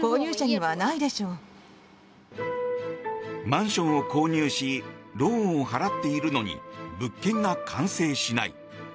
マンションを購入しローンを払っているのに物件が完成しない。